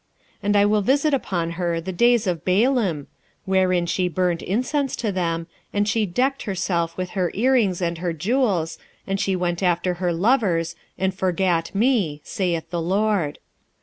2:13 And I will visit upon her the days of Baalim, wherein she burned incense to them, and she decked herself with her earrings and her jewels, and she went after her lovers, and forgat me, saith the LORD.